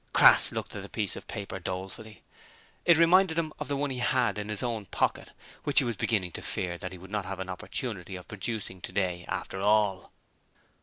Crass looked at the piece of paper dolefully. It reminded him of the one he had in his own pocket, which he was beginning to fear that he would not have an opportunity of producing today after all.